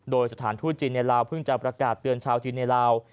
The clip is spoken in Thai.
โดยสถานทูตจีนในลาวเพิ่งจะประกาศเตือนชาวจีนในลาว